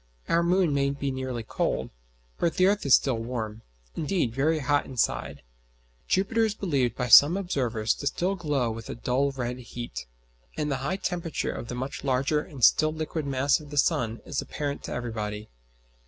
Our moon may be nearly cold, but the earth is still warm indeed, very hot inside. Jupiter is believed by some observers still to glow with a dull red heat; and the high temperature of the much larger and still liquid mass of the sun is apparent to everybody.